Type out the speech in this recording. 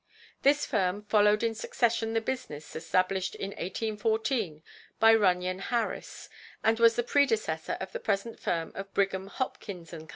This firm followed in succession the business established in 1814 by Runyon Harris, and was the predecessor of the present firm of Brigham, Hopkins & Co.